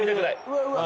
うわうわ！